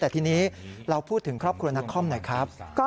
แต่ทีนี้เราพูดถึงครอบครัวนักคอมหน่อยครับ